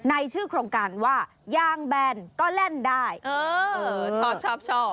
ในชื่อโครงการว่ายางแบนก็เล่นได้เออชอบชอบชอบ